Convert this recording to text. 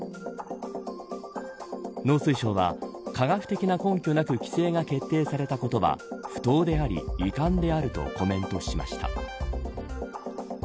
農水省は、科学的な根拠なく規制が決定されたことは不当であり遺憾であるとコメントしました。